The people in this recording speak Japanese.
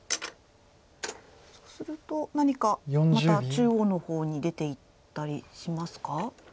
そうすると何かまた中央の方に出ていったりしますか？